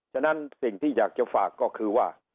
ฉะนั้นสิ่งที่อยากจะฝากก็คือว่า